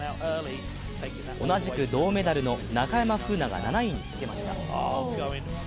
同じく銅メダルの中山楓奈が７位につけています。